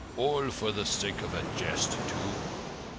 "All for the sake of a jest too."